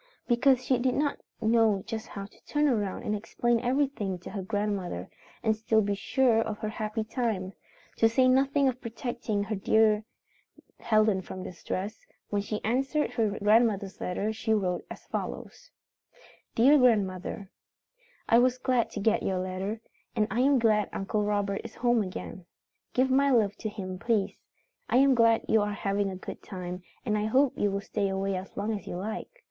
Because she did not know just how to turn around and explain everything to her grandmother and still be sure of her happy time, to say nothing of protecting her dear Helen from distress, when she answered her grandmother's letter she wrote as follows: Dear Grandmother: "I was glad to get your letter, and I am glad Uncle Robert is home again. Give my love to him, please. I am glad you are having a good time, and I hope you will stay away as long as you like.